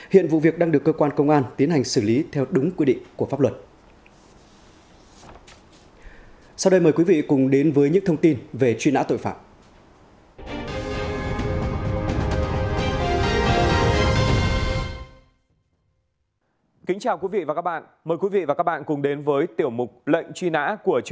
hiện vụ việc đang được cơ quan công an tiến hành xử lý theo đúng quy định của pháp luật